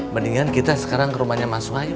mendingan kita sekarang ke rumahnya mas wahyu